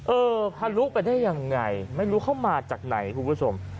เออทะลุไปได้ยังไงไม่รู้เข้ามาจากไหนคุณผู้ชม